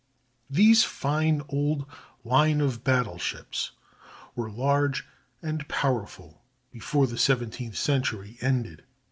These fine old line of battle ships were large and powerful before the seventeenth century ended.